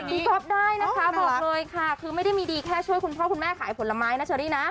ก๊อฟได้นะคะบอกเลยค่ะคือไม่ได้มีดีแค่ช่วยคุณพ่อคุณแม่ขายผลไม้นะเชอรี่นะ